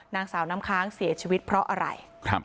นางสาวน้ำค้างเสียชีวิตเพราะอะไร